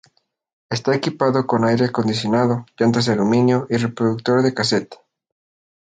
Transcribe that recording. Está equipado con aire condicionado, llantas de aluminio y reproductor de cassette.